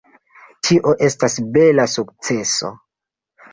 Tio estas bela sukceso.